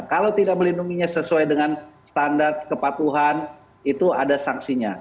kalau tidak melindunginya sesuai dengan standar kepatuhan itu ada sanksinya